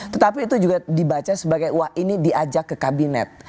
tetapi itu juga dibaca sebagai wah ini diajak ke kabinet